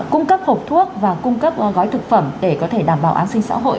cung cấp hộp thuốc và cung cấp gói thực phẩm để có thể đảm bảo an sinh xã hội